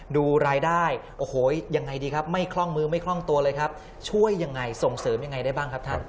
ดูรายได้โอ้โหยังไงดีครับไม่คล่องมือไม่คล่องตัวเลยครับช่วยยังไงส่งเสริมยังไงได้บ้างครับท่าน